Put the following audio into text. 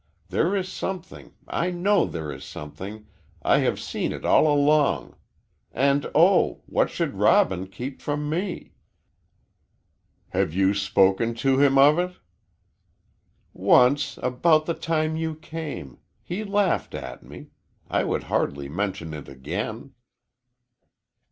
There is something I know there is something I have seen it all along. And, oh, what should Robin keep from me?" "Have you spoken to him of it?" "Once about the time you came he laughed at me. I would hardly mention it again."